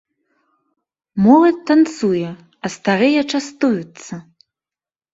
Моладзь танцуе, а старыя частуюцца.